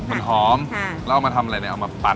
มันหอมแล้วเอามาทำอะไรเนี่ยเอามาปัด